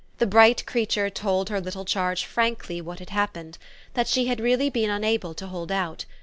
The bright creature told her little charge frankly what had happened that she had really been unable to hold out.